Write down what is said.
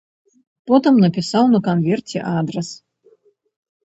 Потым напісаў на канверце адрас.